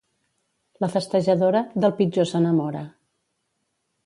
La festejadora, del pitjor s'enamora.